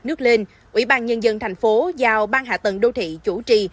nước lên ủy ban nhân dân tp hcm giao ban hạ tầng đô thị chủ trì